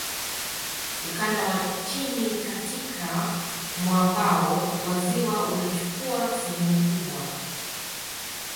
Ukanda wa chini katika mwambao wa ziwa unachukua sehemu kubwa